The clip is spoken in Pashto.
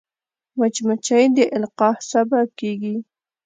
مچمچۍ د القاح سبب کېږي